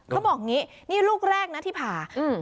เขาบอกอย่างนี้นี่ลูกแรกนะที่ผ่า